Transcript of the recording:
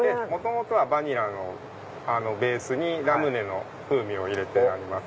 バニラのベースにラムネの風味を入れてあります。